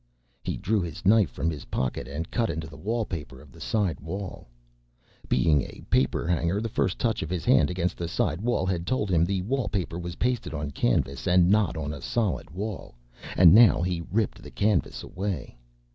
He drew his knife from his pocket and cut into the wall paper of the side wall. Being a paper hanger, the first touch of his hand against the side wall had told him the wall paper was pasted on canvas and not on a solid wall, and now he ripped the canvas away.